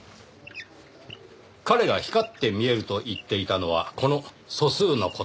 彼が光って見えると言っていたのはこの素数の事。